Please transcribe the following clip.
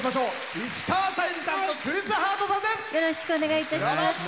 石川さゆりさんとクリス・ハートさんです。